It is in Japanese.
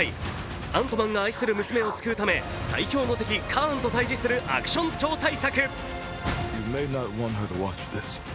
「アントマン」が愛する娘を救うため、最凶の敵・カーンと対じするアクション超大作。